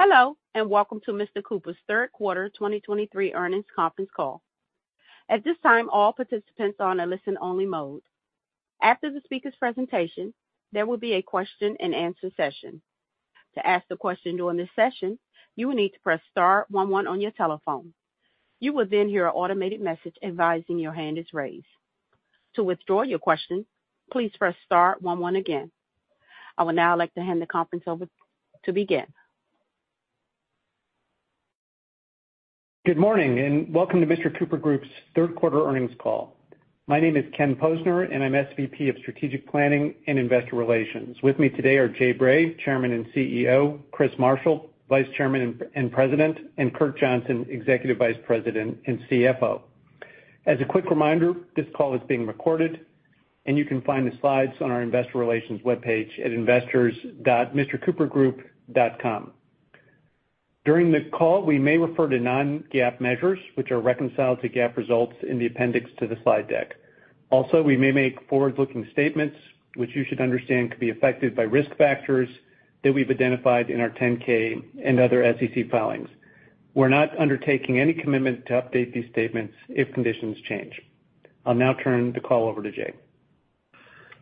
Hello, and welcome to Mr. Cooper's third quarter 2023 earnings conference call. At this time, all participants are in a listen-only mode. After the speaker's presentation, there will be a question-and-answer session. To ask a question during this session, you will need to press star one one on your telephone. You will then hear an automated message advising your hand is raised. To withdraw your question, please press star one one again. I would now like to hand the conference over to begin. Good morning, and welcome to Mr. Cooper Group's third quarter earnings call. My name is Ken Posner, and I'm SVP of Strategic Planning and Investor Relations. With me today are Jay Bray, Chairman and CEO, Chris Marshall, Vice Chairman and President, and Kurt Johnson, Executive Vice President and CFO. As a quick reminder, this call is being recorded, and you can find the slides on our investor relations webpage at investors.mrcoopergroup.com. During the call, we may refer to non-GAAP measures, which are reconciled to GAAP results in the appendix to the slide deck. Also, we may make forward-looking statements, which you should understand could be affected by risk factors that we've identified in our 10-K and other SEC filings. We're not undertaking any commitment to update these statements if conditions change. I'll now turn the call over to Jay.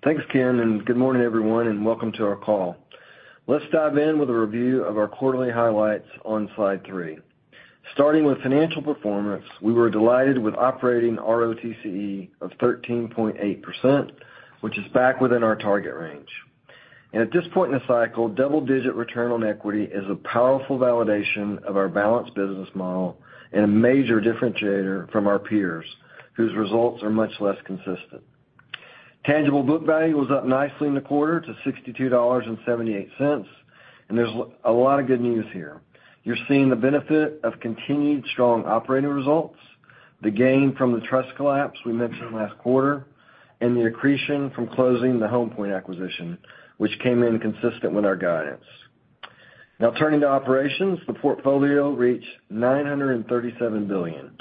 Thanks, Ken, and good morning, everyone, and welcome to our call. Let's dive in with a review of our quarterly highlights on slide. Starting with financial performance, we were delighted with an operating ROTCE of 13.8%, which is back within our target range. At this point in the cycle, double-digit return on equity is a powerful validation of our balanced business model and a major differentiator from our peers, whose results are much less consistent. Tangible book value was up nicely in the quarter to $62.78, and there's a lot of good news here. You're seeing the benefit of continued strong operating results, the gain from the trust collapse we mentioned last quarter, and the accretion from closing the Home Point acquisition, which came in consistent with our guidance. Now, turning to operations, the portfolio reached $937 billion.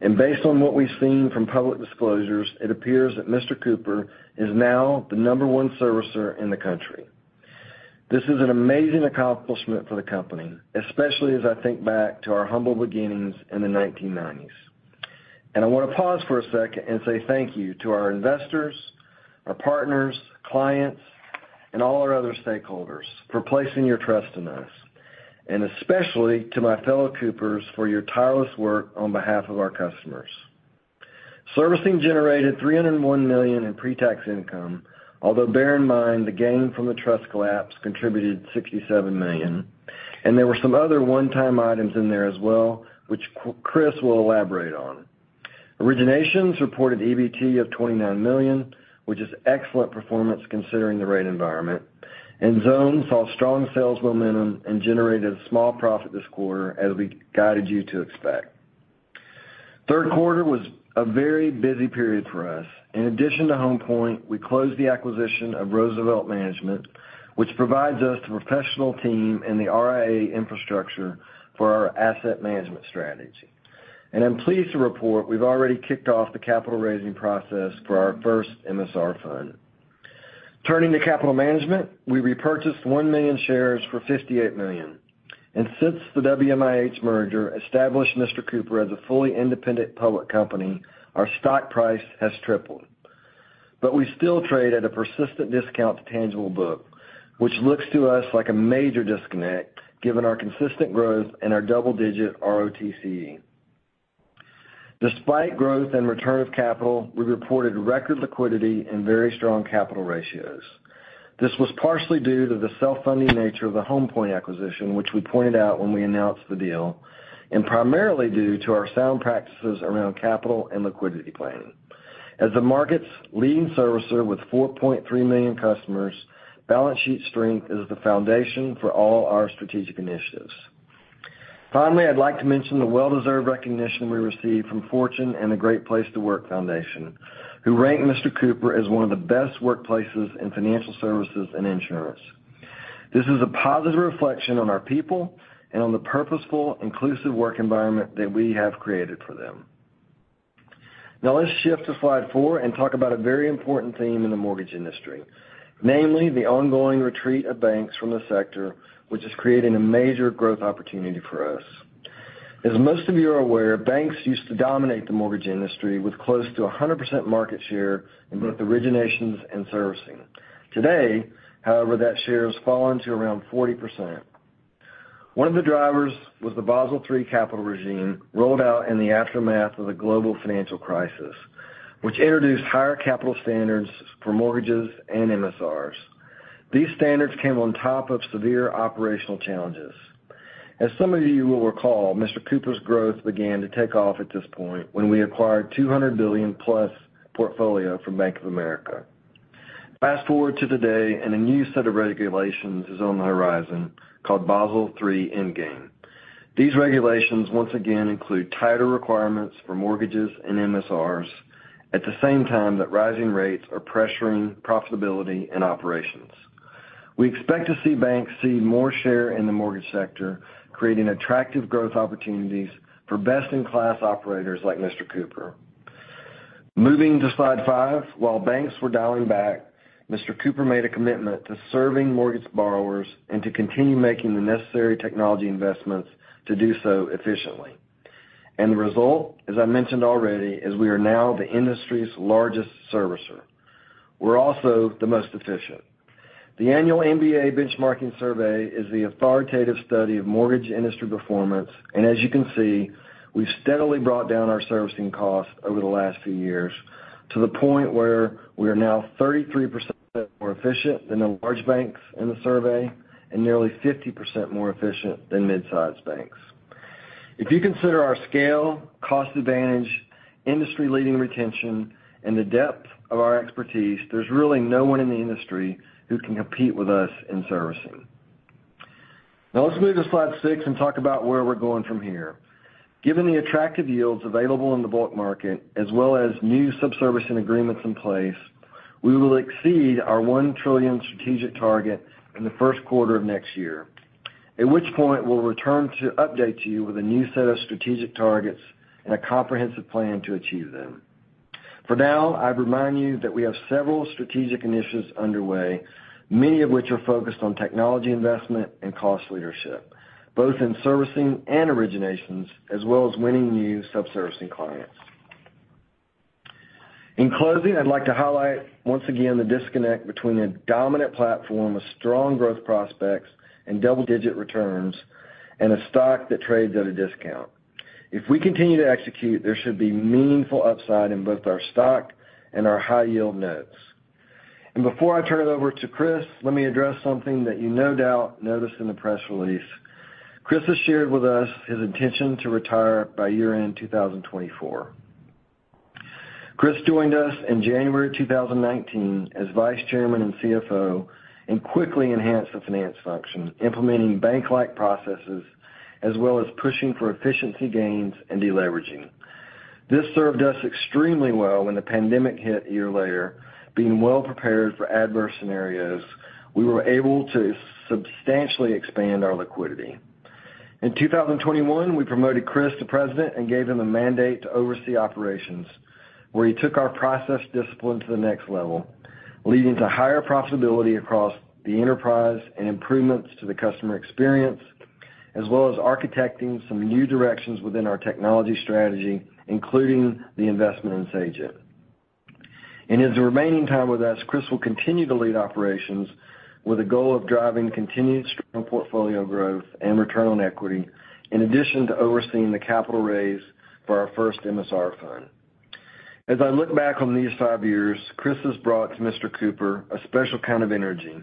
And based on what we've seen from public disclosures, it appears that Mr. Cooper is now the number one servicer in the country. This is an amazing accomplishment for the company, especially as I think back to our humble beginnings in the 1990s. And I want to pause for a second and say thank you to our investors, our partners, clients, and all our other stakeholders for placing your trust in us, and especially to my fellow Coopers for your tireless work on behalf of our customers. Servicing generated $301 million in pretax income, although bear in mind, the gain from the trust collapse contributed $67 million, and there were some other one-time items in there as well, which Chris will elaborate on. Originations reported EBT of $29 million, which is excellent performance considering the rate environment, and Xome saw strong sales momentum and generated a small profit this quarter, as we guided you to expect. Third quarter was a very busy period for us. In addition to Home Point, we closed the acquisition of Roosevelt Management, which provides us with the professional team and the RIA infrastructure for our asset management strategy. I'm pleased to report we've already kicked off the capital raising process for our first MSR fund. Turning to capital management, we repurchased 1 million shares for $58 million, and since the WMIH merger established Mr. Cooper as a fully independent public company, our stock price has tripled. We still trade at a persistent discount to tangible book, which looks to us like a major disconnect, given our consistent growth and our double-digit ROTCE. Despite growth and return of capital, we reported record liquidity and very strong capital ratios. This was partially due to the self-funding nature of the Home Point acquisition, which we pointed out when we announced the deal, and primarily due to our sound practices around capital and liquidity planning. As the market's leading servicer with 4.3 million customers, balance sheet strength is the foundation for all our strategic initiatives. Finally, I'd like to mention the well-deserved recognition we received from Fortune and the Great Place to Work Foundation, which ranked Mr. Cooper as one of the best workplaces in financial services and insurance. This is a positive reflection on our people and on the purposeful, inclusive work environment that we have created for them. Now, let's shift to slide four and talk about a very important theme in the mortgage industry, namely, the ongoing retreat of banks from the sector, which is creating a major growth opportunity for us. As most of you are aware, banks used to dominate the mortgage industry with close to 100% market share in both originations and servicing. Today, however, that share has fallen to around 40%. One of the drivers was the Basel III capital regime, rolled out in the aftermath of the global financial crisis, which introduced higher capital standards for mortgages and MSRs. These standards came on top of severe operational challenges. As some of you will recall, Mr. Cooper's growth began to take off at this point when we acquired $200 billion+ portfolio from Bank of America. Fast-forward to today, and a new set of regulations is on the horizon called Basel III Endgame. These regulations once again include tighter requirements for mortgages and MSRs, at the same time that rising rates are pressuring profitability and operations. We expect to see banks cede more share in the mortgage sector, creating attractive growth opportunities for best-in-class operators like Mr. Cooper. Moving to slide five. While banks were dialing back, Mr. Cooper made a commitment to serving mortgage borrowers and to continue making the necessary technology investments to do so efficiently. And the result, as I mentioned already, is we are now the industry's largest servicer. We're also the most efficient. The annual MBA benchmarking survey is the authoritative study of mortgage industry performance, and as you can see, we've steadily brought down our servicing costs over the last few years to the point where we are now 33% more efficient than the large banks in the survey and nearly 50% more efficient than mid-size banks. If you consider our scale, cost advantage, industry-leading retention, and the depth of our expertise, there's really no one in the industry who can compete with us in servicing. Now, let's move to slide six and talk about where we're going from here. Given the attractive yields available in the bulk market, as well as new subservicing agreements in place, we will exceed our $1 trillion strategic target in the first quarter of next year, at which point we'll return to update you with a new set of strategic targets and a comprehensive plan to achieve them. For now, I'd remind you that we have several strategic initiatives underway, many of which are focused on technology investment and cost leadership, both in servicing and originations, as well as winning new subservicing clients. In closing, I'd like to highlight once again the disconnect between a dominant platform with strong growth prospects and double-digit returns, and a stock that trades at a discount. If we continue to execute, there should be meaningful upside in both our stock and our high-yield notes. Before I turn it over to Chris, let me address something that you no doubt noticed in the press release. Chris has shared with us his intention to retire by year-end 2024. Chris joined us in January 2019 as Vice Chairman and CFO, and quickly enhanced the finance function, implementing bank-like processes, as well as pushing for efficiency gains and deleveraging. This served us extremely well when the pandemic hit a year later. Being well prepared for adverse scenarios, we were able to substantially expand our liquidity. In 2021, we promoted Chris to President and gave him a mandate to oversee operations, where he took our process discipline to the next level, leading to higher profitability across the enterprise and improvements to the customer experience, as well as architecting some new directions within our technology strategy, including the investment in Sagent. In his remaining time with us, Chris will continue to lead operations with a goal of driving continued strong portfolio growth and return on equity, in addition to overseeing the capital raise for our first MSR fund. As I look back on these five years, Chris has brought to Mr. Cooper a special kind of energy,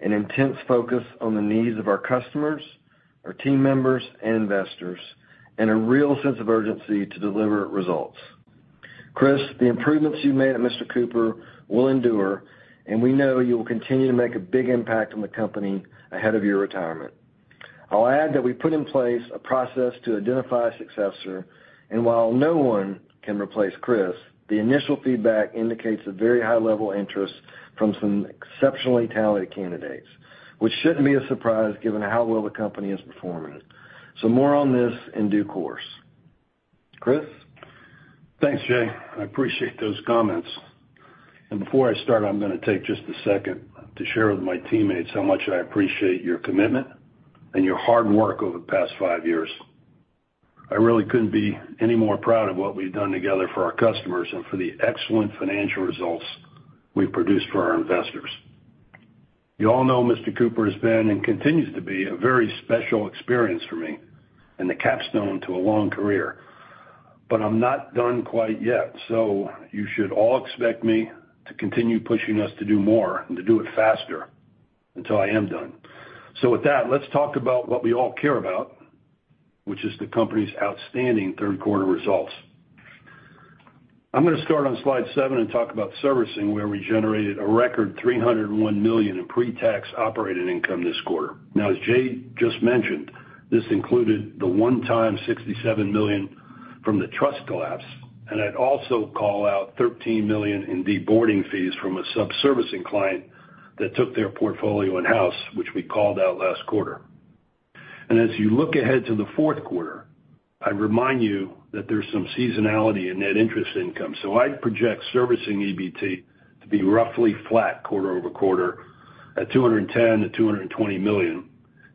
an intense focus on the needs of our customers, our team members and investors, and a real sense of urgency to deliver results. Chris, the improvements you've made at Mr. Cooper will endure, and we know you will continue to make a big impact on the company ahead of your retirement. I'll add that we put in place a process to identify a successor, and while no one can replace Chris, the initial feedback indicates a very high level of interest from some exceptionally talented candidates, which shouldn't be a surprise given how well the company is performing. So more on this in due course. Chris? Thanks, Jay. I appreciate those comments. Before I start, I'm going to take just a second to share with my teammates how much I appreciate your commitment and your hard work over the past five years. I really couldn't be any more proud of what we've done together for our customers and for the excellent financial results we've produced for our investors. You all know Mr. Cooper has been and continues to be a very special experience for me and the capstone to a long career. But I'm not done quite yet, so you should all expect me to continue pushing us to do more and to do it faster until I am done. With that, let's talk about what we all care about, which is the company's outstanding third quarter results. I'm going to start on slide seven and talk about servicing, where we generated a record $301 million in pre-tax operating income this quarter. Now, as Jay just mentioned, this included the one-time $67 million from the trust collapse, and I'd also call out $13 million in deboarding fees from a subservicing client that took their portfolio in-house, which we called out last quarter. As you look ahead to the fourth quarter, I'd remind you that there's some seasonality in net interest income. I'd project servicing EBT to be roughly flat quarter-over-quarter at $210 million-$220 million,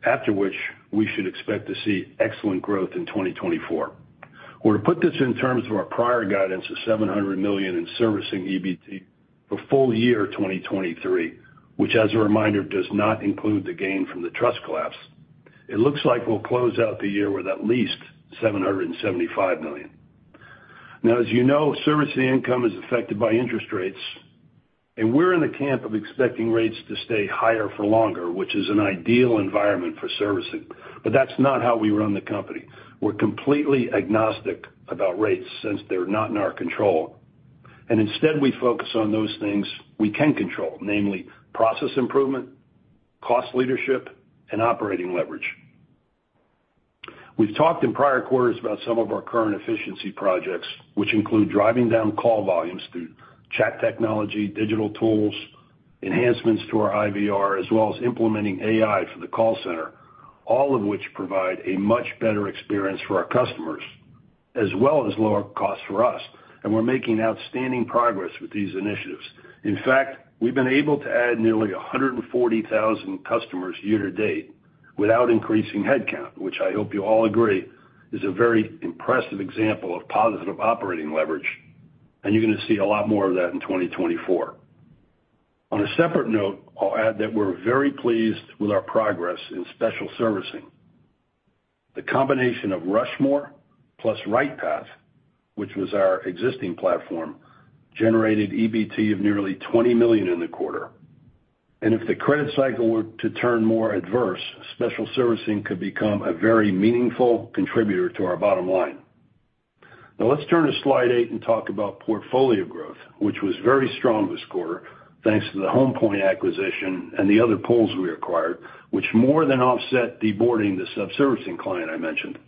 after which we should expect to see excellent growth in 2024. Or to put this in terms of our prior guidance of $700 million in servicing EBT for full year 2023, which, as a reminder, does not include the gain from the trust collapse. It looks like we'll close out the year with at least $775 million. Now, as you know, servicing income is affected by interest rates, and we're in the camp of expecting rates to stay higher for longer, which is an ideal environment for servicing. But that's not how we run the company. We're completely agnostic about rates since they're not in our control. And instead, we focus on those things we can control, namely process improvement, cost leadership, and operating leverage. We've talked in prior quarters about some of our current efficiency projects, which include driving down call volumes through chat technology, digital tools, enhancements to our IVR, as well as implementing AI for the call center, all of which provide a much better experience for our customers, as well as lower costs for us, and we're making outstanding progress with these initiatives. In fact, we've been able to add nearly 140,000 customers year to date without increasing headcount, which I hope you all agree is a very impressive example of positive operating leverage, and you're going to see a lot more of that in 2024. On a separate note, I'll add that we're very pleased with our progress in special servicing. The combination of Rushmore plus RightPath, which was our existing platform, generated EBT of nearly $20 million in the quarter. If the credit cycle were to turn more adverse, special servicing could become a very meaningful contributor to our bottom line. Now, let's turn to slide eight and talk about portfolio growth, which was very strong this quarter, thanks to the Home Point acquisition and the other pools we acquired, which more than offset the deboarding the subservicing client I mentioned.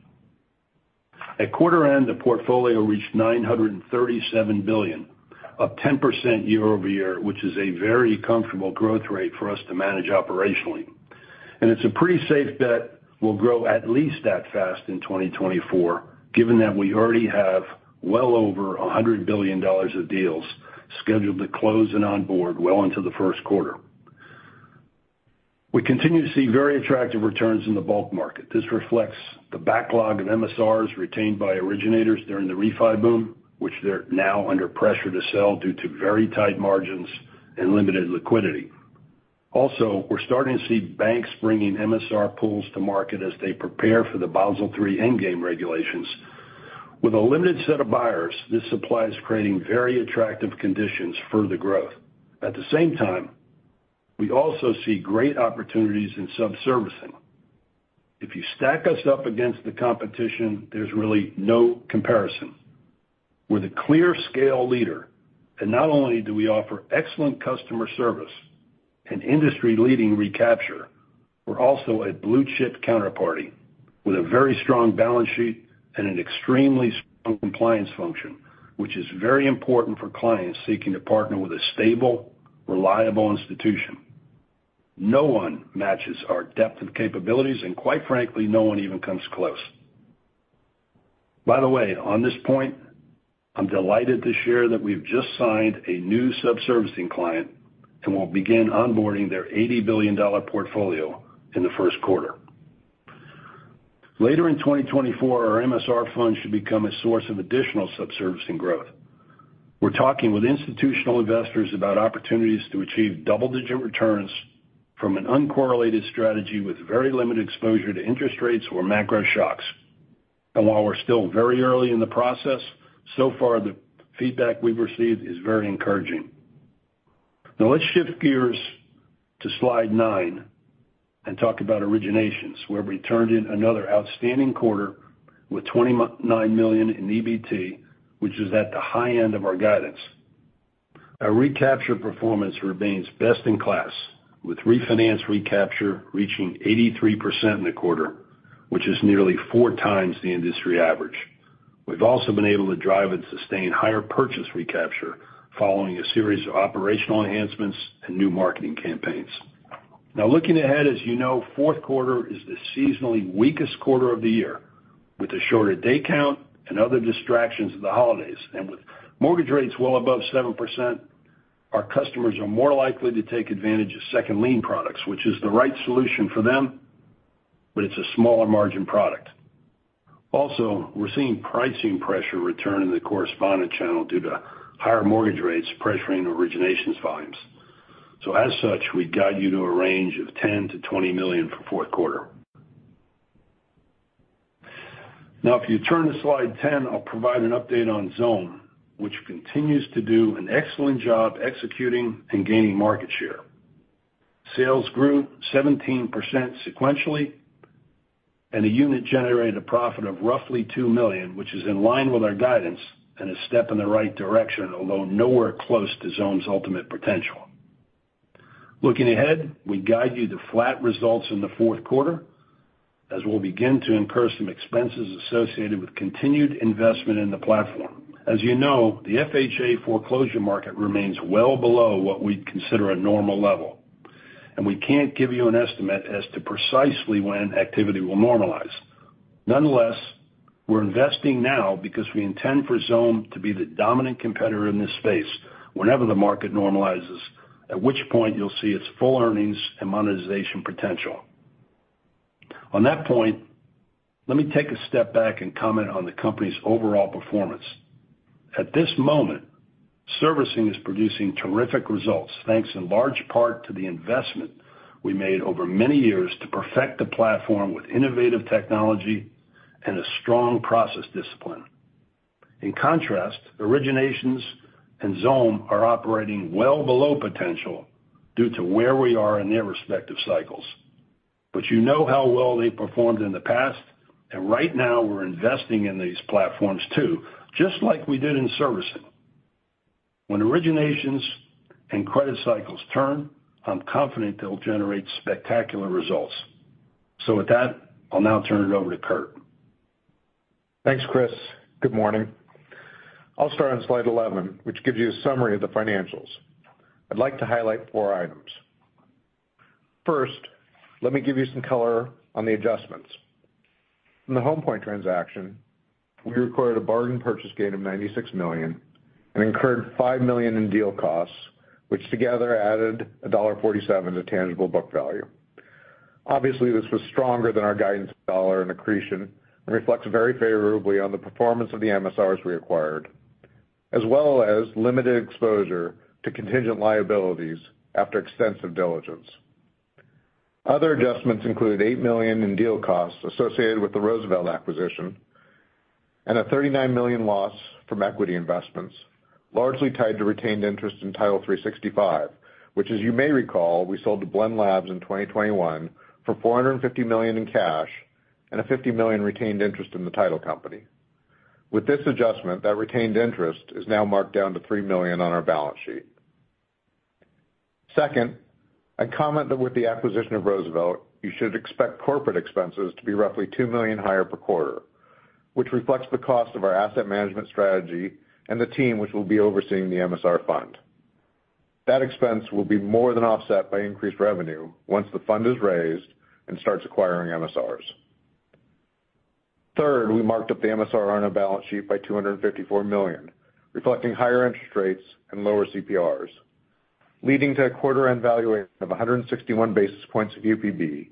At quarter end, the portfolio reached $937 billion, up 10% year-over-year, which is a very comfortable growth rate for us to manage operationally. And it's a pretty safe bet we'll grow at least that fast in 2024, given that we already have well over $100 billion of deals scheduled to close and onboard well into the first quarter. We continue to see very attractive returns in the bulk market. This reflects the backlog of MSRs retained by originators during the refi boom, which they're now under pressure to sell due to very tight margins and limited liquidity. Also, we're starting to see banks bringing MSR pools to market as they prepare for the Basel III Endgame regulations. With a limited set of buyers, this supply is creating very attractive conditions for growth. At the same time, we also see great opportunities in subservicing. If you stack us up against the competition, there's really no comparison. We're the clear scale leader, and not only do we offer excellent customer service and industry-leading recapture, but we're also a blue-chip counterparty with a very strong balance sheet and an extremely strong compliance function, which is very important for clients seeking to partner with a stable, reliable institution. No one matches our depth of capabilities, and quite frankly, no one even comes close. By the way, on this point, I'm delighted to share that we've just signed a new subservicing client and will begin onboarding their $80 billion portfolio in the first quarter. Later in 2024, our MSR fund should become a source of additional subservicing growth. We're talking with institutional investors about opportunities to achieve double-digit returns from an uncorrelated strategy with very limited exposure to interest rates or macro shocks. And while we're still very early in the process, so far, the feedback we've received is very encouraging. Now, let's shift gears to slide nine and talk about originations, where we turned in another outstanding quarter with $29 million in EBT, which is at the high end of our guidance. Our recapture performance remains best in class, with refinance recapture reaching 83% in the quarter, which is nearly four times the industry average. We've also been able to drive and sustain higher purchase recapture following a series of operational enhancements and new marketing campaigns. Now, looking ahead, as you know, fourth quarter is the seasonally weakest quarter of the year, with a shorter day count and other distractions of the holidays. And with mortgage rates well above 7%, our customers are more likely to take advantage of second lien products, which is the right solution for them, but it's a smaller margin product. Also, we're seeing pricing pressure return in the correspondent channel due to higher mortgage rates pressuring originations volumes. So as such, we guide you to a range of $10 million-$20 million for fourth quarter. Now, if you turn to Slide 10, I'll provide an update on Xome, which continues to do an excellent job executing and gaining market share. Sales grew 17% sequentially, and the unit generated a profit of roughly $2 million, which is in line with our guidance and a step in the right direction, although nowhere close to Xome's ultimate potential. Looking ahead, we guide you to flat results in the fourth quarter as we'll begin to incur some expenses associated with continued investment in the platform. As you know, the FHA foreclosure market remains well below what we'd consider a normal level, and we can't give you an estimate as to precisely when activity will normalize. Nonetheless, we're investing now because we intend for Xome to be the dominant competitor in this space whenever the market normalizes, at which point you'll see its full earnings and monetization potential. On that point, let me take a step back and comment on the company's overall performance. At this moment, servicing is producing terrific results, thanks in large part to the investment we made over many years to perfect the platform with innovative technology and a strong process discipline. In contrast, Originations and Xome are operating well below potential due to where we are in their respective cycles. But you know how well they performed in the past, and right now we're investing in these platforms too, just like we did in servicing. When Originations and credit cycles turn, I'm confident they'll generate spectacular results. So with that, I'll now turn it over to Kurt. Thanks, Chris. Good morning. I'll start on slide 11, which gives you a summary of the financials. I'd like to highlight four items. First, let me give you some color on the adjustments. From the Home Point transaction, we recorded a bargain purchase gain of $96 million and incurred $5 million in deal costs, which together added $1.47 to tangible book value. Obviously, this was stronger than our guidance dollar and accretion, and reflects very favorably on the performance of the MSRs we acquired, as well as limited exposure to contingent liabilities after extensive diligence. Other adjustments included $8 million in deal costs associated with the Roosevelt acquisition and a $39 million loss from equity investments, largely tied to retained interest in Title365, which, as you may recall, we sold to Blend Labs in 2021 for $450 million in cash and a $50 million retained interest in the title company. With this adjustment, that retained interest is now marked down to $3 million on our balance sheet. Second, I'd comment that with the acquisition of Roosevelt, you should expect corporate expenses to be roughly $2 million higher per quarter, which reflects the cost of our asset management strategy and the team which will be overseeing the MSR fund. That expense will be more than offset by increased revenue once the fund is raised and starts acquiring MSRs. Third, we marked up the MSR on our balance sheet by $254 million, reflecting higher interest rates and lower CPRs, leading to a quarter-end valuation of 161 basis points of UPB,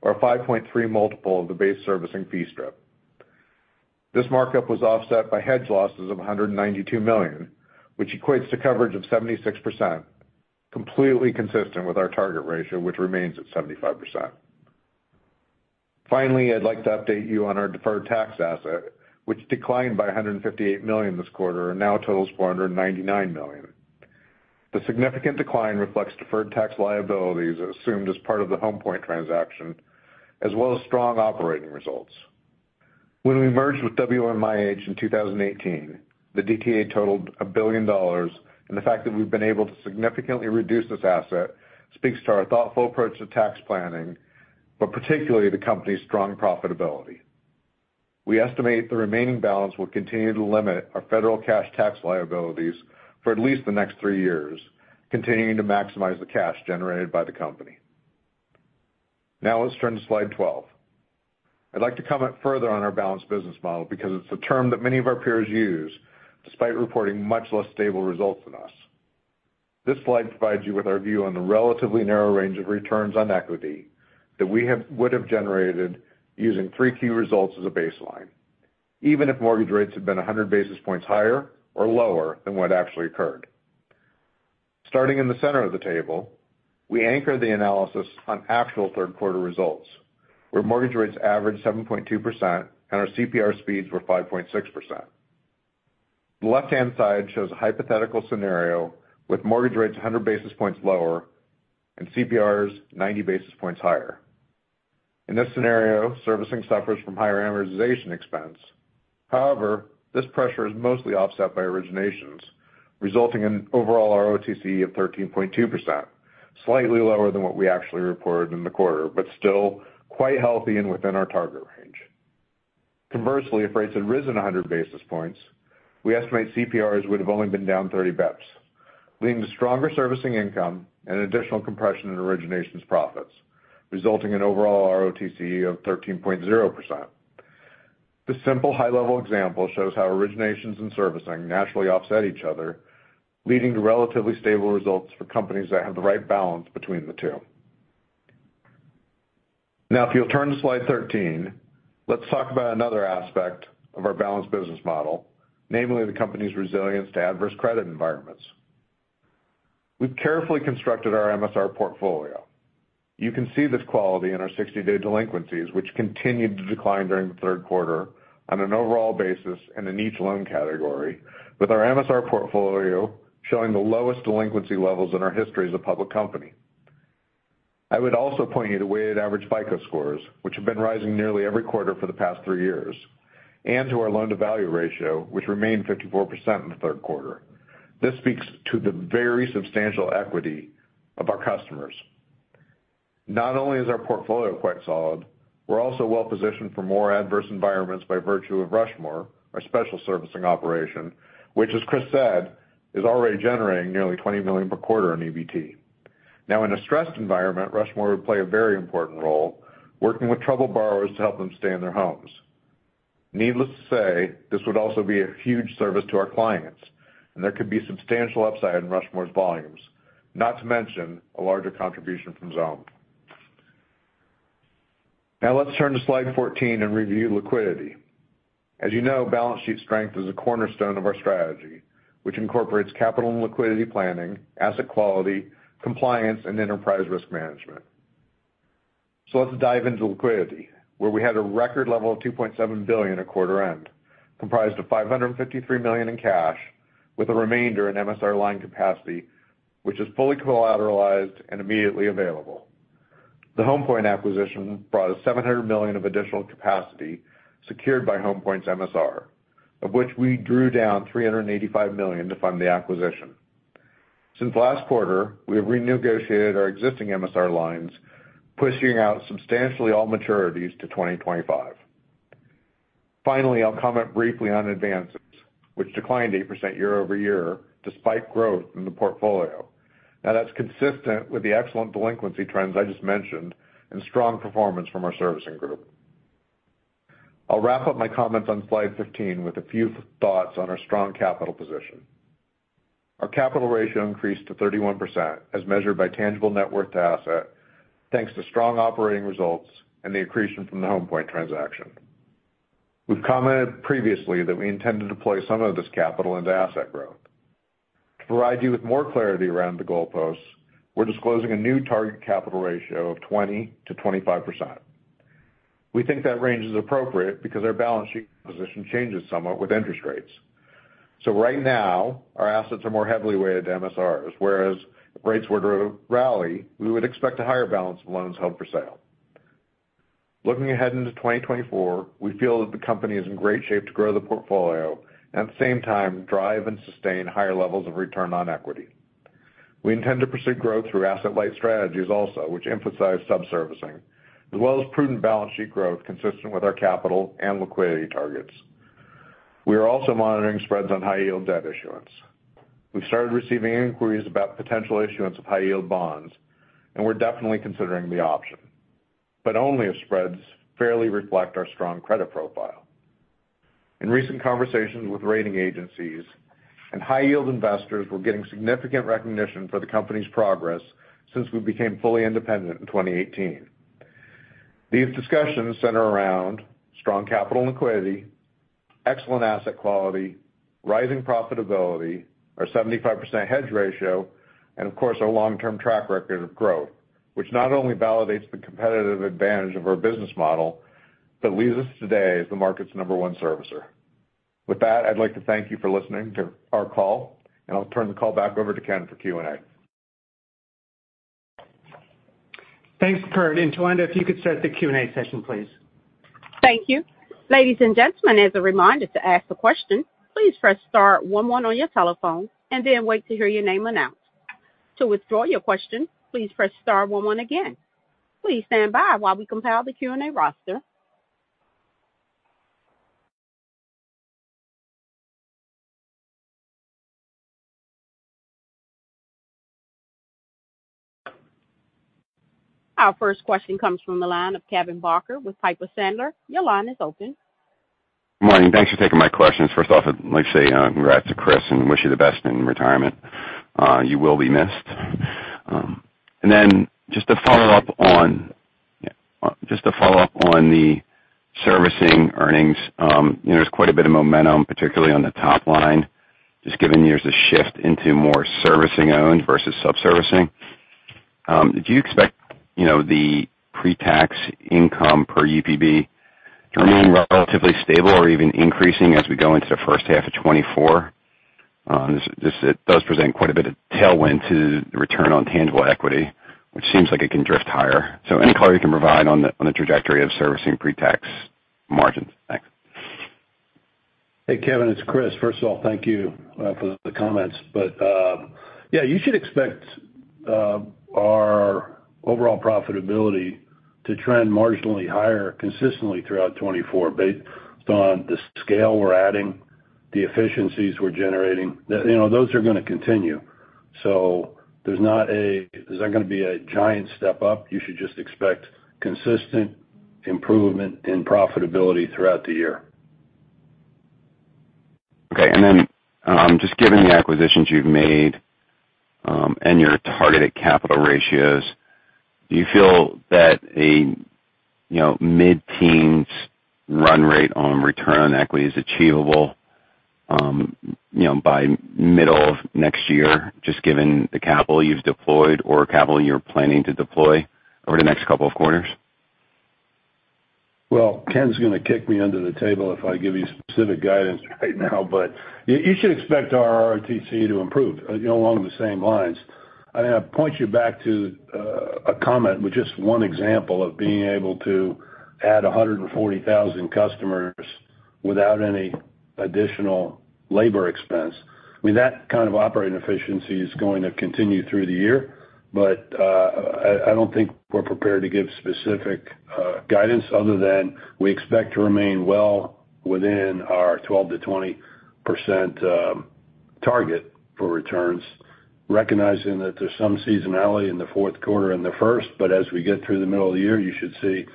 or a 5.3x multiple of the base servicing fee strip. This markup was offset by hedge losses of $192 million, which equates to coverage of 76%, completely consistent with our target ratio, which remains at 75%. Finally, I'd like to update you on our deferred tax asset, which declined by $158 million this quarter and now totals $499 million. The significant decline reflects deferred tax liabilities assumed as part of the Home Point transaction, as well as strong operating results. When we merged with WMIH in 2018, the DTA totaled $1 billion, and the fact that we've been able to significantly reduce this asset speaks to our thoughtful approach to tax planning, but particularly the company's strong profitability. We estimate the remaining balance will continue to limit our federal cash tax liabilities for at least the next three years, continuing to maximize the cash generated by the company. Now, let's turn to slide 12. I'd like to comment further on our balanced business model, because it's a term that many of our peers use, despite reporting much less stable results than us. This slide provides you with our view on the relatively narrow range of returns on equity that we would have generated using three key results as a baseline, even if mortgage rates had been 100 basis points higher or lower than what actually occurred. Starting in the center of the table, we anchored the analysis on actual third quarter results, where mortgage rates averaged 7.2% and our CPR speeds were 5.6%. The left-hand side shows a hypothetical scenario with mortgage rates 100 basis points lower and CPRs 90 basis points higher. In this scenario, servicing suffers from higher amortization expense. However, this pressure is mostly offset by originations, resulting in overall ROTCE of 13.2%, slightly lower than what we actually reported in the quarter, but still quite healthy and within our target range. Conversely, if rates had risen 100 basis points, we estimate CPRs would have only been down 30 bips, leading to stronger servicing income and additional compression in originations profits, resulting in overall ROTCE of 13.0%. This simple, high-level example shows how originations and servicing naturally offset each other, leading to relatively stable results for companies that have the right balance between the two. Now, if you'll turn to slide 13, let's talk about another aspect of our balanced business model, namely, the company's resilience to adverse credit environments. We've carefully constructed our MSR portfolio. You can see this quality in our 60-day delinquencies, which continued to decline during the third quarter on an overall basis and in each loan category, with our MSR portfolio showing the lowest delinquency levels in our history as a public company. I would also point you to weighted average FICO scores, which have been rising nearly every quarter for the past three years, and to our loan-to-value ratio, which remained 54% in the third quarter. This speaks to the very substantial equity of our customers. Not only is our portfolio quite solid, we're also well positioned for more adverse environments by virtue of Rushmore, our special servicing operation, which, as Chris said, is already generating nearly $20 million per quarter in EBT. Now, in a stressed environment, Rushmore would play a very important role, working with troubled borrowers to help them stay in their homes. Needless to say, this would also be a huge service to our clients, and there could be substantial upside in Rushmore's volumes, not to mention a larger contribution from Xome. Now, let's turn to slide 14 and review liquidity. As you know, balance sheet strength is a cornerstone of our strategy, which incorporates capital and liquidity planning, asset quality, compliance, and enterprise risk management. So let's dive into liquidity, where we had a record level of $2.7 billion at quarter end, comprised of $553 million in cash, with the remainder in MSR line capacity, which is fully collateralized and immediately available. The Home Point acquisition brought us $700 million of additional capacity, secured by Home Point's MSR, of which we drew down $385 million to fund the acquisition. Since last quarter, we have renegotiated our existing MSR lines, pushing out substantially all maturities to 2025. Finally, I'll comment briefly on advances, which declined 8% year-over-year, despite growth in the portfolio. Now, that's consistent with the excellent delinquency trends I just mentioned and strong performance from our servicing group. I'll wrap up my comments on slide 15 with a few thoughts on our strong capital position. Our capital ratio increased to 31%, as measured by tangible net worth to asset, thanks to strong operating results and the accretion from the Home Point transaction. We've commented previously that we intend to deploy some of this capital into asset growth. To provide you with more clarity around the goalposts, we're disclosing a new target capital ratio of 20%-25%. We think that range is appropriate because our balance sheet position changes somewhat with interest rates. So right now, our assets are more heavily weighted to MSRs, whereas if rates were to rally, we would expect a higher balance of loans held for sale. Looking ahead into 2024, we feel that the company is in great shape to grow the portfolio, and at the same time, drive and sustain higher levels of return on equity. We intend to pursue growth through asset-light strategies also, which emphasize subservicing, as well as prudent balance sheet growth consistent with our capital and liquidity targets. We are also monitoring spreads on high-yield debt issuance. We've started receiving inquiries about potential issuance of high-yield bonds, and we're definitely considering the option, but only if spreads fairly reflect our strong credit profile. In recent conversations with rating agencies and high-yield investors, we're getting significant recognition for the company's progress since we became fully independent in 2018. These discussions center around strong capital and liquidity, excellent asset quality, rising profitability, our 75% hedge ratio, and of course, our long-term track record of growth, which not only validates the competitive advantage of our business model, but leads us today as the market's number one servicer. With that, I'd like to thank you for listening to our call, and I'll turn the call back over to Ken for Q&A. Thanks, Kurt. And Tolanda, if you could start the Q&A session, please. Thank you. Ladies and gentlemen, as a reminder, to ask a question, please press star one one on your telephone and then wait to hear your name announced. To withdraw your question, please press star one one again. Please stand by while we compile the Q&A roster. Our first question comes from the line of Kevin Barker with Piper Sandler. Your line is open. Good morning. Thanks for taking my questions. First off, I'd like to say, congrats to Chris and wish you the best in retirement. You will be missed. And then just to follow up on the servicing earnings, you know, there's quite a bit of momentum, particularly on the top line, just given there's a shift into more servicing owned versus subservicing. Do you expect, you know, the pretax income per UPB to remain relatively stable or even increasing as we go into the first half of 2024? It does present quite a bit of tailwind to the return on tangible equity, which seems like it can drift higher. So any color you can provide on the trajectory of servicing pretax margins? Thanks. Hey, Kevin, it's Chris. First of all, thank you for the comments. But yeah, you should expect our overall profitability to trend marginally higher consistently throughout 2024, based on the scale we're adding, the efficiencies we're generating. You know, those are going to continue. So there's not going to be a giant step up. You should just expect consistent improvement in profitability throughout the year. Okay. And then, just given the acquisitions you've made, and your targeted capital ratios, do you feel that a, you know, mid-teens run rate on return on equity is achievable, you know, by middle of next year, just given the capital you've deployed or capital you're planning to deploy over the next couple of quarters? Well, Ken's going to kick me under the table if I give you specific guidance right now, but you should expect our ROTCE to improve, you know, along the same lines. I mean, I point you back to a comment with just one example of being able to add 140,000 customers without any additional labor expense. I mean, that kind of operating efficiency is going to continue through the year, but I don't think we're prepared to give specific guidance other than we expect to remain well within our 12%-20% target for returns, recognizing that there's some seasonality in the fourth quarter and the first, but as we get through the middle of the year, you should see,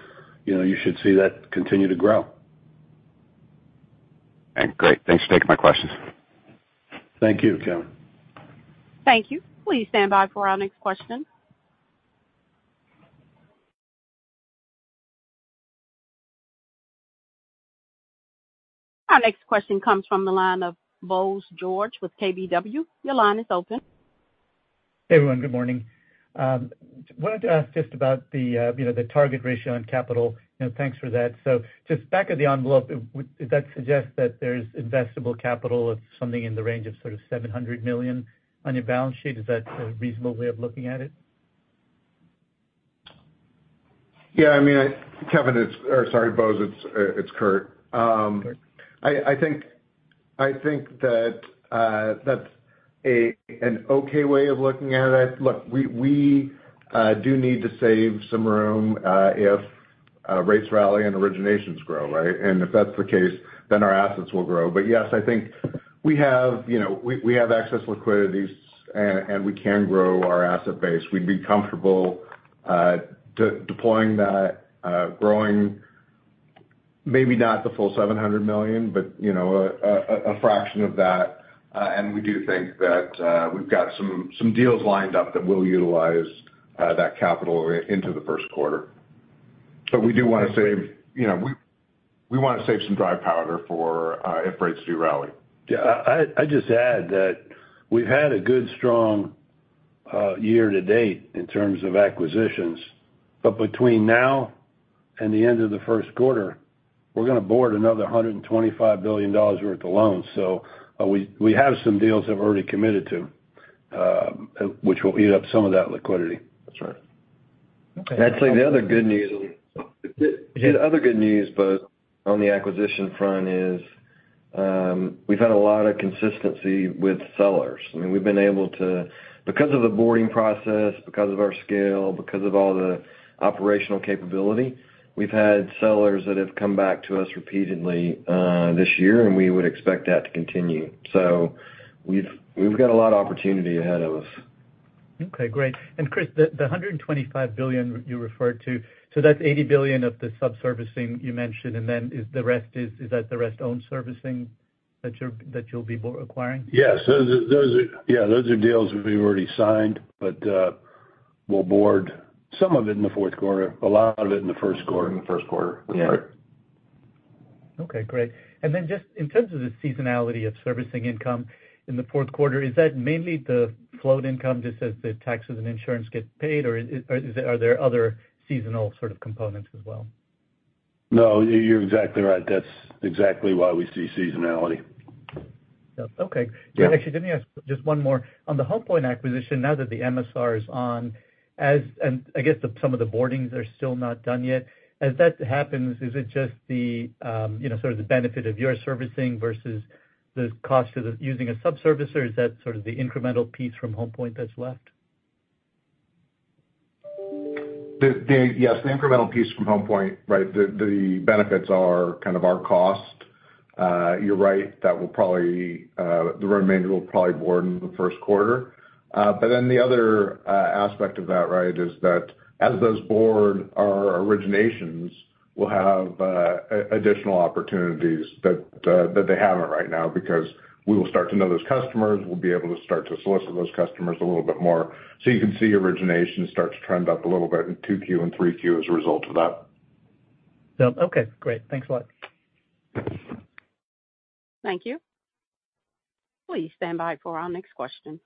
you know, you should see that continue to grow. Great. Thanks for taking my questions. Thank you, Kevin. Thank you. Please stand by for our next question. Our next question comes from the line of Bose George with KBW. Your line is open. Hey, everyone. Good morning. Wanted to ask just about the, you know, the target ratio on capital. You know, thanks for that. So just back of the envelope, does that suggest that there's investable capital of something in the range of sort of $700 million on your balance sheet? Is that a reasonable way of looking at it? Yeah, I mean, Kevin, it's—or sorry, Bose, it's Kurt. I think that that's an okay way of looking at it. Look, we do need to save some room, if rates rally and originations grow, right? And if that's the case, then our assets will grow. But yes, I think we have, you know, we have excess liquidities and we can grow our asset base. We'd be comfortable deploying that, growing maybe not the full $700 million, but, you know, a fraction of that. And we do think that we've got some deals lined up that will utilize that capital into the first quarter. But we do wanna save, you know, we wanna save some dry powder for if rates do rally. Yeah, I just add that we've had a good, strong, year to date in terms of acquisitions. But between now and the end of the first quarter, we're gonna board another $125 billion worth of loans. So, we have some deals that we've already committed to, which will eat up some of that liquidity. That's right. I'd say the other good news, Bose, on the acquisition front is, we've had a lot of consistency with sellers. I mean, we've been able to, because of the boarding process, because of our scale, because of all the operational capability, we've had sellers that have come back to us repeatedly, this year, and we would expect that to continue. So we've, we've got a lot of opportunity ahead of us. Okay, great. And Chris, the $125 billion you referred to, so that's $80 billion of the subservicing you mentioned, and then is the rest own servicing that you'll be acquiring? Yes, those are, those are, yeah, those are deals we've already signed, but we'll board some of it in the fourth quarter, a lot of it in the first quarter. In the first quarter. Yeah. That's right. Okay, great. And then just in terms of the seasonality of servicing income in the fourth quarter, is that mainly the float income, just as the taxes and insurance get paid, or are there other seasonal sort of components as well? No, you're exactly right. That's exactly why we see seasonality. Yeah. Okay. Yeah. Actually, let me ask just one more. On the Home Point acquisition, now that the MSR is on, and I guess some of the onboardings are still not done yet. As that happens, is it just the, you know, sort of the benefit of your servicing versus the cost of using a subservicer, or is that sort of the incremental piece from Home Point that's left? The... Yes, the incremental piece from Home Point, right? The benefits are kind of our cost. You're right, that will probably, the remainder will probably board in the first quarter. But then the other aspect of that, right, is that as those boards our organizations will have additional opportunities that that they haven't right now, because we will start to know those customers, we'll be able to start to solicit those customers a little bit more. So you can see origination start to trend up a little bit in 2Q and 3Q as a result of that. Yeah. Okay, great. Thanks a lot. Thank you. Please stand by for our next question.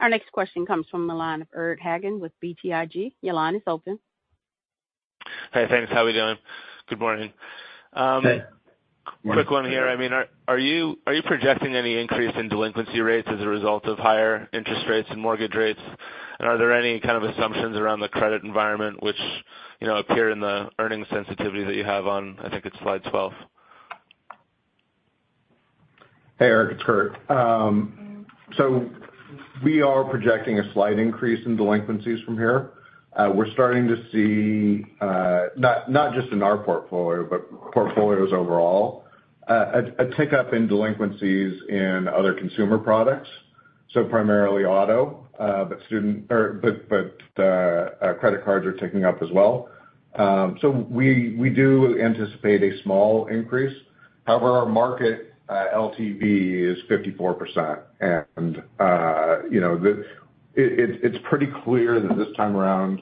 Our next question comes from the line of Eric Hagen with BTIG. Your line is open. Hey, thanks. How are we doing? Good morning. Hey. Quick one here. I mean, are you projecting any increase in delinquency rates as a result of higher interest rates and mortgage rates? And are there any kind of assumptions around the credit environment which, you know, appear in the earnings sensitivity that you have on, I think it's slide 12? Hey, Eric, it's Kurt. So we are projecting a slight increase in delinquencies from here. We're starting to see, not just in our portfolio, but portfolios overall, a tick up in delinquencies in other consumer products, so primarily auto, but student or but credit cards are ticking up as well. So we do anticipate a small increase. However, our market LTV is 54%, and you know, it's pretty clear that this time around,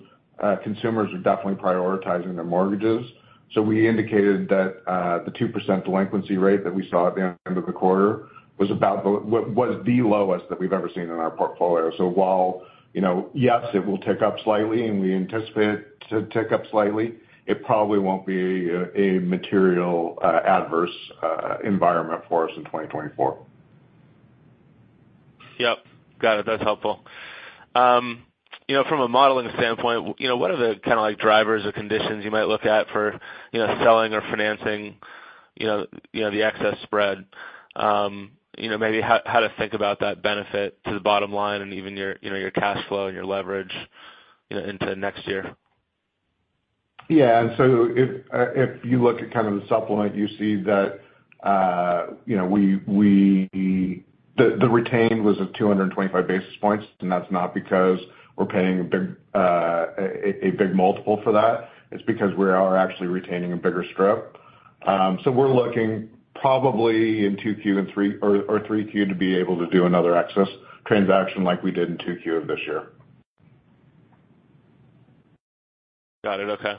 consumers are definitely prioritizing their mortgages. So we indicated that the 2% delinquency rate that we saw at the end of the quarter was about the – was the lowest that we've ever seen in our portfolio. So while, you know, yes, it will tick up slightly, and we anticipate it to tick up slightly, it probably won't be a material adverse environment for us in 2024. Yep. Got it. That's helpful. You know, from a modeling standpoint, you know, what are the kinda like drivers or conditions you might look at for, you know, selling or financing, you know, you know, the excess spread? You know, maybe how to think about that benefit to the bottom line and even your, you know, your cash flow and your leverage, you know, into next year. If you look at kind of the supplement, you see that, you know, the retain was at 225 basis points, and that's not because we're paying a big multiple for that. It's because we are actually retaining a bigger strip. So we're looking probably in 2Q and 3Q or 3Q to be able to do another excess transaction like we did in 2Q of this year. Got it. Okay.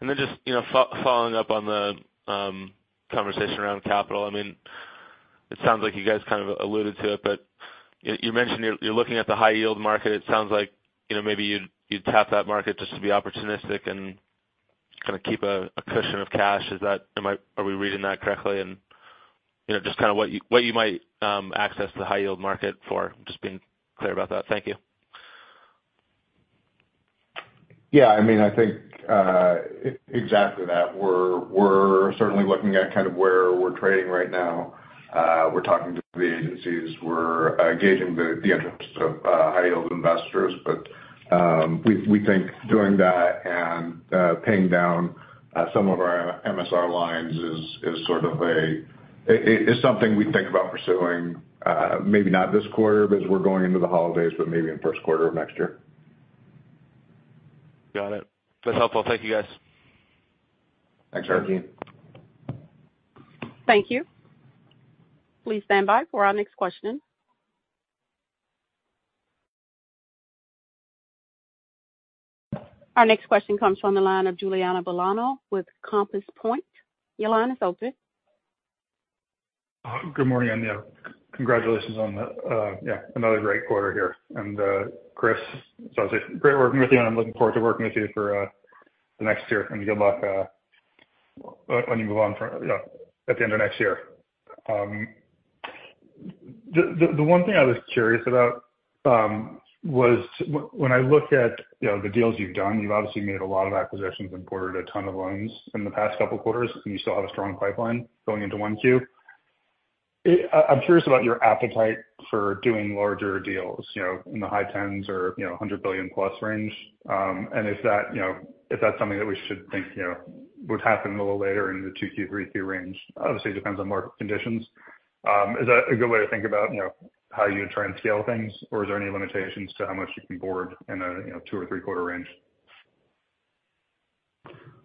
And then just, you know, following up on the conversation around capital. I mean, it sounds like you guys kind of alluded to it, but you mentioned you're looking at the high yield market. It sounds like, you know, maybe you'd tap that market just to be opportunistic and-.. kind of keep a cushion of cash. Is that, am I, are we reading that correctly? You know, just kind of what you, what you might access the high-yield market for, just being clear about that. Thank you. Yeah, I mean, I think, exactly that. We're certainly looking at kind of where we're trading right now. We're talking to the agencies. We're gauging the interest of high-yield investors. But we think doing that and paying down some of our MSR lines is sort of it's something we think about pursuing, maybe not this quarter, because we're going into the holidays, but maybe in first quarter of next year. Got it. That's helpful. Thank you, guys. Thanks, Eric. Thank you. Please stand by for our next question. Our next question comes from the line of Giuliano Bologna with Compass Point. Your line is open. Good morning, and yeah, congratulations on another great quarter here. Chris, so great working with you, and I'm looking forward to working with you for the next year. Good luck when you move on from, you know, at the end of next year. The one thing I was curious about was when I look at, you know, the deals you've done. You've obviously made a lot of acquisitions and ported a ton of loans in the past couple of quarters, and you still have a strong pipeline going into one or two. I'm curious about your appetite for doing larger deals, you know, in the high tens or, you know, $100 billion plus range. And if that, you know, if that's something that we should think, you know, would happen a little later in the 2Q, 3Q range. Obviously, it depends on market conditions. Is that a good way to think about, you know, how you try and scale things, or are there any limitations to how much you can onboard in a, you know, two or three-quarter range?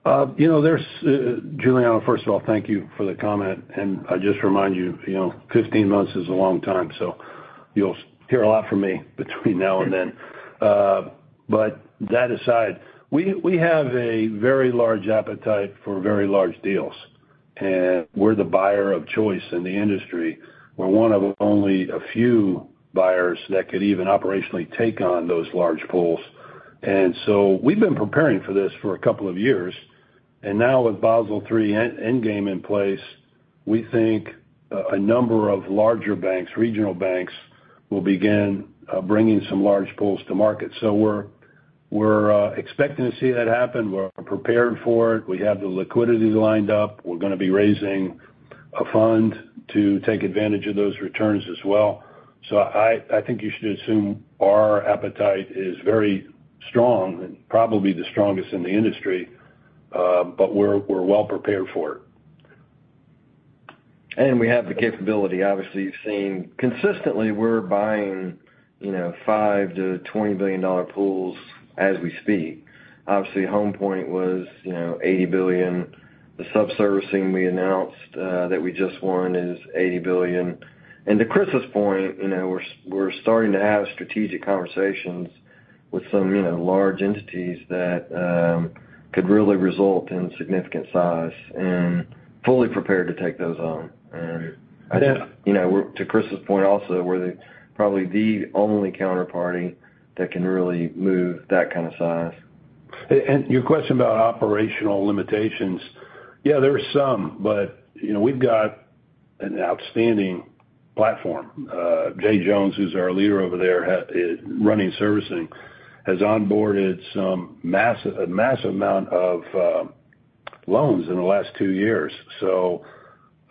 You know, there's Giuliano, first of all, thank you for the comment, and I just remind you, you know, 15 months is a long time, so you'll hear a lot from me between now and then. But that aside, we have a very large appetite for very large deals, and we're the buyer of choice in the industry. We're one of only a few buyers that could even operationally take on those large pools. And so we've been preparing for this for a couple of years. And now with Basel III endgame in place, we think a number of larger banks, regional banks, will begin bringing some large pools to market. So we're expecting to see that happen. We're prepared for it. We have the liquidity lined up. We're going to be raising a fund to take advantage of those returns as well. So I think you should assume our appetite is very strong and probably the strongest in the industry, but we're well prepared for it. We have the capability. Obviously, you've seen consistently, we're buying, you know, $5 billion-$20 billion pools as we speak. Obviously, Home Point was, you know, $80 billion. The subservicing we announced that we just won is $80 billion. And to Chris's point, you know, we're starting to have strategic conversations with some, you know, large entities that could really result in significant size and fully prepared to take those on. And, you know, to Chris's point also, we're probably the only counterparty that can really move that kind of size. And your question about operational limitations. Yeah, there are some, but, you know, we've got an outstanding platform. Jay Jones, who's our leader over there, running servicing, has onboarded a massive amount of loans in the last two years. So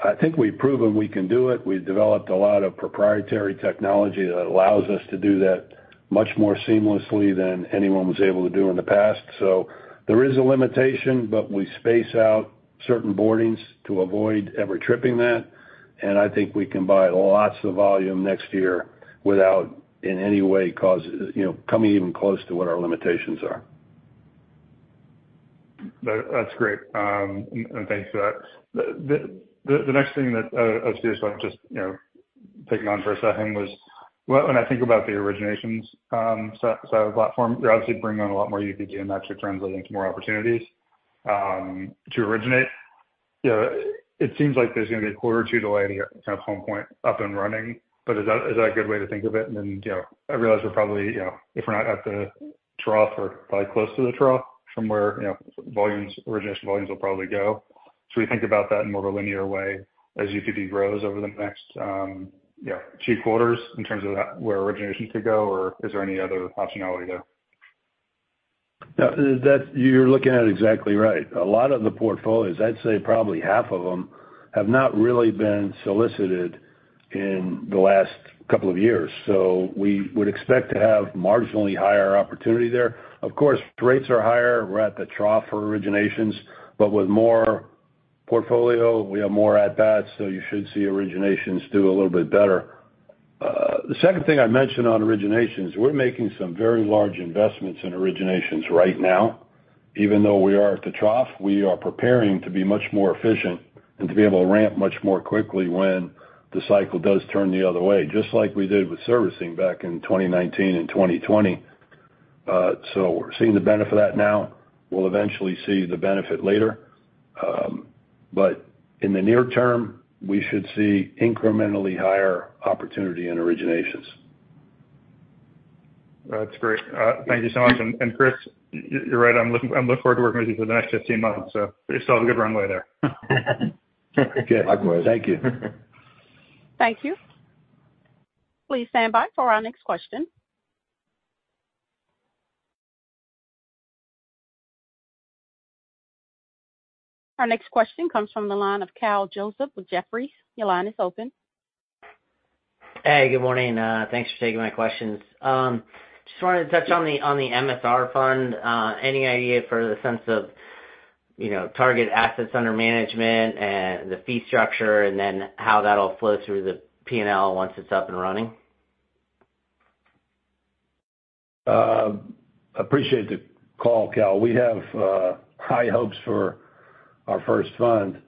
I think we've proven we can do it. We've developed a lot of proprietary technology that allows us to do that much more seamlessly than anyone was able to do in the past. So there is a limitation, but we space out certain boardings to avoid ever tripping that, and I think we can buy lots of volume next year without in any way causing, you know, coming even close to what our limitations are. That, that's great. And thanks for that. The next thing that I was just wanting to just, you know, pick on for a second was, when I think about the originations, so platform, you're obviously bringing on a lot more UPB and that's translating to more opportunities to originate. You know, it seems like there's going to be a quarter or two delay to get kind of Home Point up and running, but is that a good way to think of it? And then, you know, I realize we're probably, you know, if we're not at the trough or probably close to the trough from where, you know, volumes, origination volumes will probably go. So we think about that in more of a linear way as UPB grows over the next, you know, two quarters in terms of where originations could go, or is there any other optionality there? Yeah, that you're looking at it exactly right. A lot of the portfolios, I'd say probably half of them, have not really been solicited in the last couple of years, so we would expect to have marginally higher opportunity there. Of course, rates are higher. We're at the trough for originations, but with more portfolio, we have more at bat, so you should see originations do a little bit better. The second thing I mentioned on originations, we're making some very large investments in originations right now. Even though we are at the trough, we are preparing to be much more efficient and to be able to ramp much more quickly when the cycle does turn the other way, just like we did with servicing back in 2019 and 2020. So we're seeing the benefit of that now. We'll eventually see the benefit later. But in the near term, we should see incrementally higher opportunity in originations.... That's great. Thank you so much. And, Chris, you're right, I look forward to working with you for the next 15 months, so we still have a good runway there. Likewise. Thank you. Thank you. Please stand by for our next question. Our next question comes from the line of Kyle Joseph with Jefferies. Your line is open. Hey, good morning. Thanks for taking my questions. Just wanted to touch on the, on the MSR fund. Any idea for the sense of, you know, target assets under management and the fee structure, and then how that'll flow through the P&L once it's up and running? Appreciate the call, Kyle. We have high hopes for our first fund.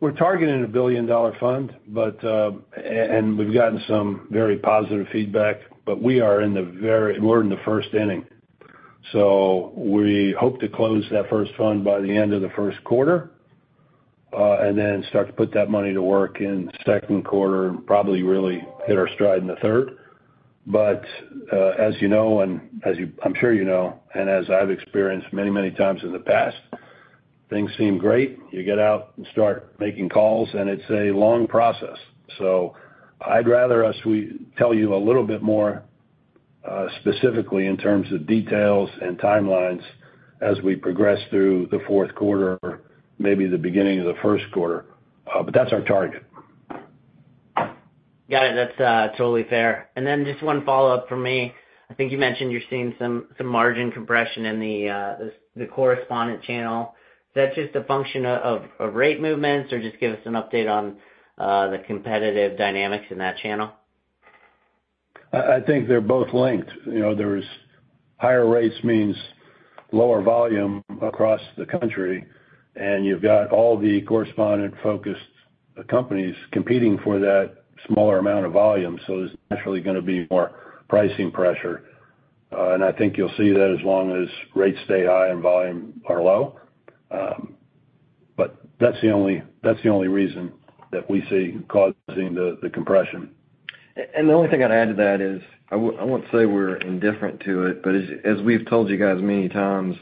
We're targeting a billion-dollar fund, but and we've gotten some very positive feedback, but we are in the first inning. So we hope to close that first fund by the end of the first quarter, and then start to put that money to work in the second quarter, and probably really hit our stride in the third. But, as you know, and I'm sure you know, and as I've experienced many, many times in the past, things seem great. You get out and start making calls, and it's a long process. So I'd rather us tell you a little bit more, specifically in terms of details and timelines as we progress through the fourth quarter, maybe the beginning of the first quarter. But that's our target. Got it. That's totally fair. And then just one follow-up from me. I think you mentioned you're seeing some margin compression in the correspondent channel. Is that just a function of rate movements, or just give us an update on the competitive dynamics in that channel? I think they're both linked. You know, there's higher rates means lower volume across the country, and you've got all the correspondent-focused companies competing for that smaller amount of volume, so there's naturally going to be more pricing pressure. And I think you'll see that as long as rates stay high and volume are low. But that's the only reason that we see causing the compression. And the only thing I'd add to that is, I won't say we're indifferent to it, but as we've told you guys many times,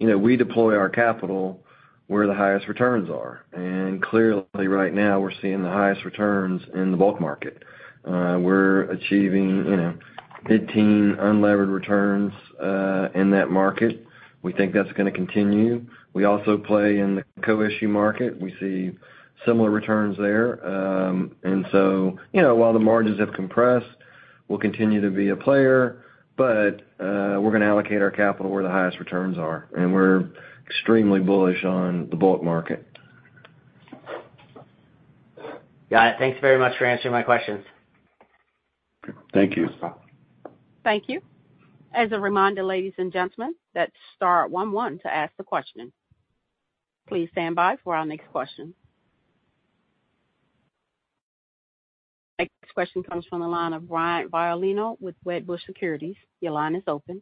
you know, we deploy our capital where the highest returns are. And clearly, right now, we're seeing the highest returns in the bulk market. We're achieving, you know, 15 unlevered returns in that market. We think that's going to continue. We also play in the co-issue market. We see similar returns there. And so, you know, while the margins have compressed, we'll continue to be a player, but we're going to allocate our capital where the highest returns are, and we're extremely bullish on the bulk market. Got it. Thanks very much for answering my questions. Thank you. Thank you. As a reminder, ladies and gentlemen, that's star one one to ask the question. Please stand by for our next question. Next question comes from the line of Brian Violino with Wedbush Securities. Your line is open.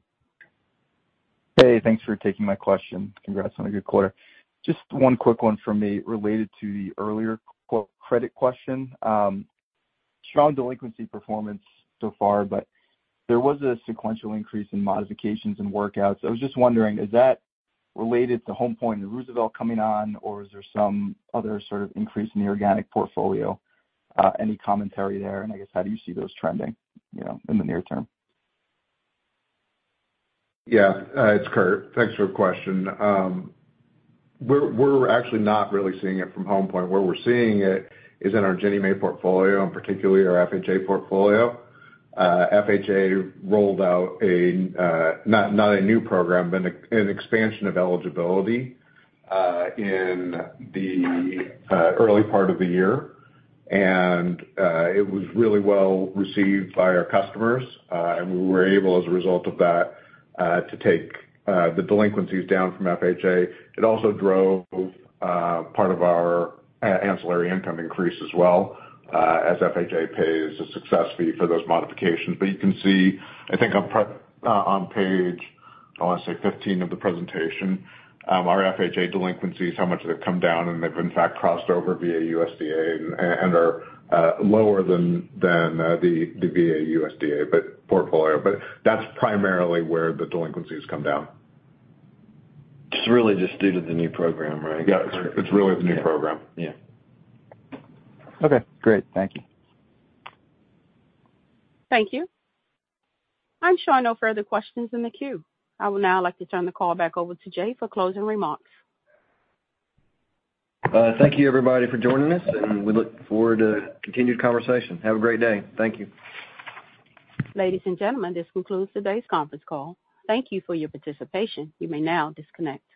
Hey, thanks for taking my question. Congrats on a good quarter. Just one quick one from me related to the earlier credit question. Strong delinquency performance so far, but there was a sequential increase in modifications and workouts. I was just wondering, is that related to Home Point and Roosevelt coming on, or is there some other sort of increase in the organic portfolio? Any commentary there, and I guess, how do you see those trending, you know, in the near term? Yeah. It's Kurt. Thanks for the question. We're actually not really seeing it from Home Point. Where we're seeing it is in our Ginnie Mae portfolio, and particularly our FHA portfolio. FHA rolled out a not a new program, but an expansion of eligibility in the early part of the year. It was really well received by our customers, and we were able, as a result of that, to take the delinquencies down from FHA. It also drove part of our ancillary income increase as well, as FHA pays a success fee for those modifications. But you can see, I think, on page 15 of the presentation, our FHA delinquencies, how much they've come down, and they've in fact crossed over VA, USDA, and are lower than the VA, USDA but portfolio. But that's primarily where the delinquencies come down. It's really just due to the new program, right? Yeah, it's really the new program. Yeah. Okay, great. Thank you. Thank you. I'm showing no further questions in the queue. I would now like to turn the call back over to Jay for closing remarks. Thank you, everybody, for joining us, and we look forward to continued conversation. Have a great day. Thank you. Ladies and gentlemen, this concludes today's conference call. Thank you for your participation. You may now disconnect.